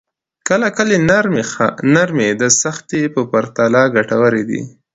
کله کله نرمي د سختۍ په پرتله ګټوره وي.